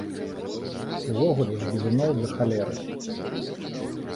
Увогуле ж бізуноў да халеры.